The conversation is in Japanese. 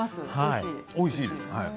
おいしいです。